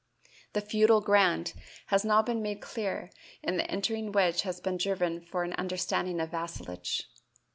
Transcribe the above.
The "feudal grant" has now been made clear and the entering wedge has been driven for an understanding of vassalage.